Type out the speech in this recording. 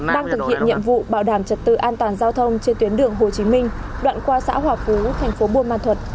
đang thực hiện nhiệm vụ bảo đảm trật tự an toàn giao thông trên tuyến đường hồ chí minh đoạn qua xã hòa phú thành phố buôn ma thuật